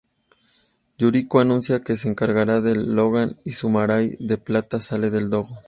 Yuriko anuncia que se encargará de Logan, y Samurai de Plata sale del Dojo.